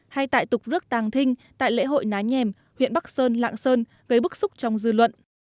hay tại tục rước tàng thinh tại lễ hội ná nhèm huyện bắc sơn lạng sơn gây bức xúc trong dư luận